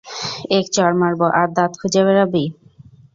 এক চড় মারব আর দাঁত খুঁজে বেড়াবি।